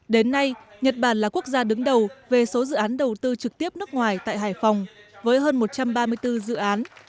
đến nay nhật bản là quốc gia đứng đầu về số dự án đầu tư trực tiếp nước ngoài tại hải phòng với hơn một trăm ba mươi bốn dự án